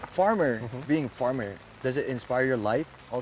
ผมต้องเป็นผู้งาน